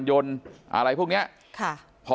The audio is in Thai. มีคลิปก่อนนะครับ